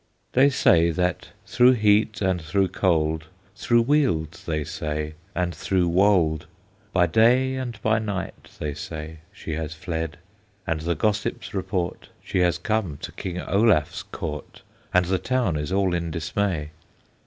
They say, that through heat and through cold, Through weald, they say, and through wold, By day and by night, they say, She has fled; and the gossips report She has come to King Olaf's court, And the town is all in dismay.